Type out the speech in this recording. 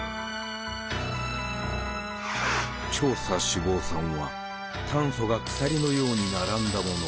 長鎖脂肪酸は炭素が鎖のように並んだもの。